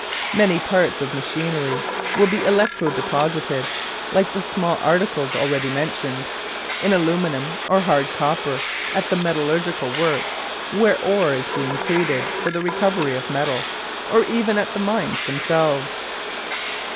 Many parts of machinery will be electro deposited like the small articles already mentioned in aluminium or hard copper at the metallurgical works where ore is being treated for the recovery of metal, or even at the mines themselves.